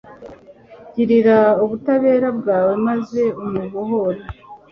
Girira ubutabera bwawe maze umbohore